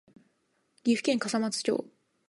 岐阜県笠松町